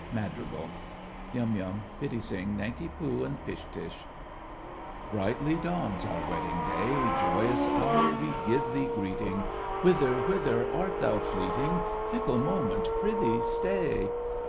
MADRIGAL. YUM YUM, PITTI SING, NANKI POO, and PISH TUSH Brightly dawns our wedding day; Joyous hour, we give thee greeting! Whither, whither art thou fleeting? Fickle moment, prithee stay!